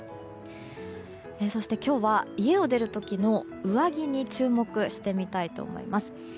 そして今日は家を出る時の上着に注目してみたいと思います。